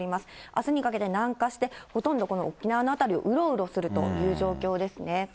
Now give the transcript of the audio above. あすにかけて南下して、ほとんど沖縄の辺りをうろうろするという状況ですね。